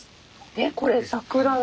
えこれ桜の？